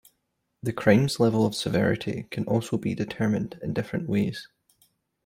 The crime's level of severity can also be determined in different ways.